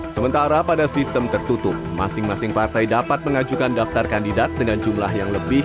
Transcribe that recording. sementara pada sistem tertutup masing masing partai dapat mengajukan daftar kandidat dengan jumlah yang lebih